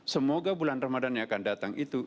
semoga bulan ramadan yang akan datang itu